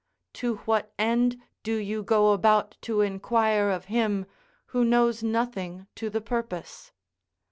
To what end do you go about to inquire of him, who knows nothing to the purpose?